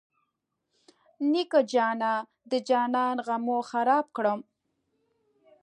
نیکه جانه د جانان غمو خراب کړم.